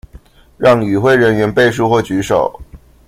讓與會人員背書或舉手